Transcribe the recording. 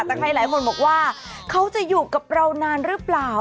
แต่ใครหลายคนบอกว่าเขาจะอยู่กับเรานานหรือเปล่า